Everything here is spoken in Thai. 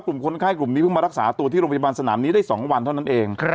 คนไข้กลุ่มนี้เพิ่งมารักษาตัวที่โรงพยาบาลสนามนี้ได้๒วันเท่านั้นเอง